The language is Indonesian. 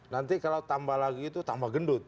nanti kalau tambah lagi itu tambah gendut